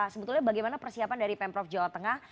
sebetulnya bagaimana persiapan dari pemprov jawa tengah